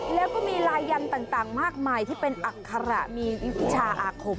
แล้วก็มีลายยันต่างมากมายที่เป็นอัคระมีวิชาอาคม